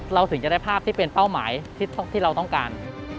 ถึงจะได้ภาพที่เป็นเป้าหมายที่เราต้องการ